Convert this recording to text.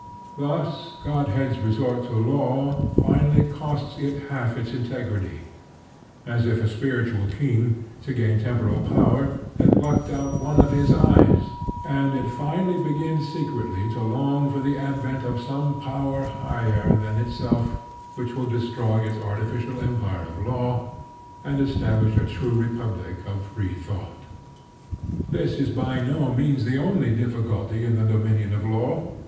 Thus Godhead's resort to law finally costs it half its integrity as if a spiritual king, to gain temporal power, had plucked out one of his eyes and it finally begins secretly to long for the advent of some power higher than itself which will destroy its artificial empire of law, and establish a true republic of free thought. This is by no means the only difficulty in the dominion of Law.